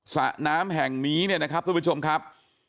สระน้ำแห่งนี้เนี่ยนะครับทุกผู้ชมครับ